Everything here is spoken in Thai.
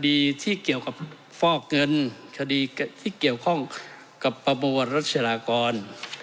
ที่เกี่ยวกับฟอกเงินคดีที่เกี่ยวข้องกับประบวรรัชลากร